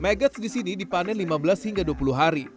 magats di sini dipanen lima belas hingga dua puluh hari